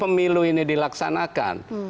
pemilu ini dilaksanakan